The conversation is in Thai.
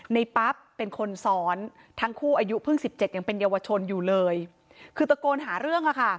ในป๊ับเป็นคนสอนล์ทั้งคู่พึ่ง๑๗ยังเป็นเยาวชนขือตะโกนหารื่อง